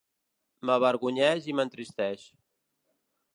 M'avergonyeix i m'entristeix.